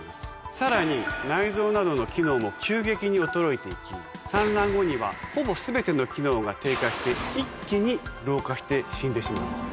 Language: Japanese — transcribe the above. さらに内臓などの機能も急激に衰えていき産卵後にはほぼ全ての機能が低下して一気に老化して死んでしまうんです。